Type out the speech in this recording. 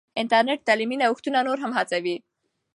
انټرنیټ تعلیمي نوښتونه نور هم هڅوي.